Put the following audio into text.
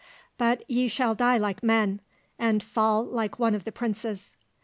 "'But ye shall die like men, and fall like one of the princes.